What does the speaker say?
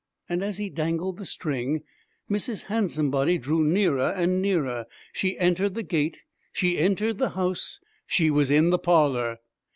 And as he dangled the string, Mrs. Handsomebody drew nearer and nearer. She entered the gate she entered the house she was in the parlor!